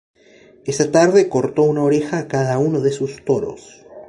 Esa tarde cortó una oreja a cada uno de sus toros.